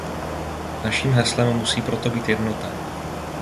Naším heslem musí proto být jednota.